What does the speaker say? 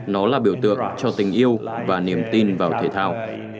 nó là biểu tượng cho tình yêu và niềm tin vào thể thao